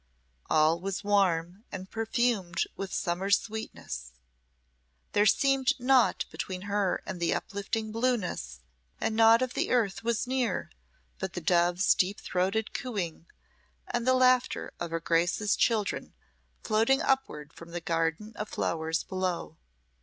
All was warm and perfumed with summer's sweetness. There seemed naught between her and the uplifting blueness, and naught of the earth was near but the dove's deep throated cooing and the laughter of her Grace's children floating upward from the garden of flowers below.